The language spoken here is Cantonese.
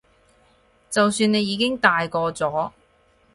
就算你已經大個咗